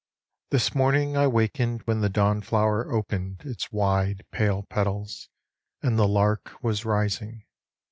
This morning I wakened when the dawn flower opened Its wide, pale petals and the lark was rising.